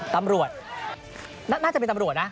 ตำรวจน่าจะเป็นตำรวจนะ